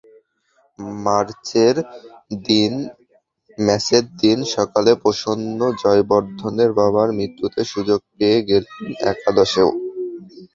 ম্যাচের দিন সকালে প্রসন্ন জয়াবর্ধনের বাবার মৃত্যুতে সুযোগ পেয়ে গেলেন একাদশেও।